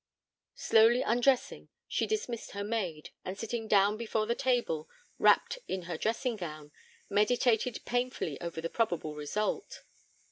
Slowly undressing, she dismissed her maid, and sitting down before the table, wrapped in her dressing gown, meditated painfully over the probable result.